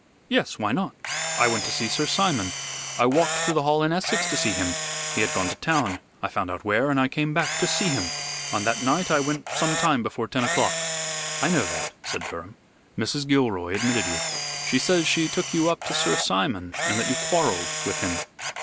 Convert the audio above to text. "Yes, why not? I went to see Sir Simon. I walked to the Hall in Essex to see him. He had gone to town; I found out where, and I came back to see him. On that night I went some time before ten o'clock." "I know that," said Durham. "Mrs. Gilroy admitted you. She says she took you up to Sir Simon, and that you quarrelled with him."